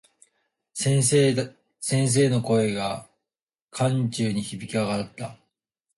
先生の声が、寒空に響き渡った。